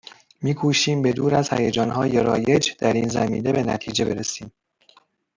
میکوشیم به دور از هیجانهای رایج در این زمینه، به نتیجه برسیم